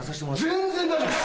全然大丈夫です！